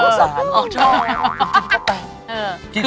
เรี่ยบ